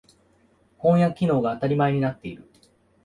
翻訳機能が当たり前になっている。